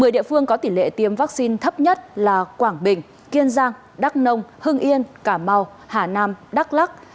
một mươi địa phương có tỷ lệ tiêm vaccine thấp nhất là quảng bình kiên giang đắk nông hưng yên cả mau hà nam đắk lắc